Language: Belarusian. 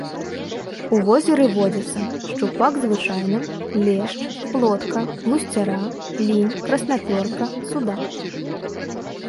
У возеры водзяцца шчупак звычайны, лешч, плотка, гусцяра, лінь, краснапёрка, судак.